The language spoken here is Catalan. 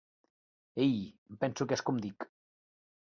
Ei, em penso que és com dic!